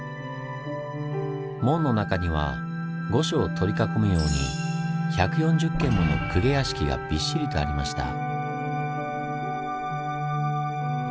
門の中には御所を取り囲むように１４０軒もの公家屋敷がびっしりとありました。